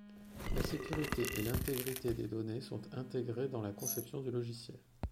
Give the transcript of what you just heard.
La sécurité et l'intégrité des données sont intégrées dans la conception du logiciel.